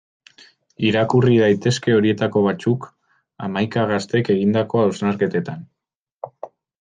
Irakurri daitezke horietako batzuk, hamaika gaztek egindako hausnarketetan.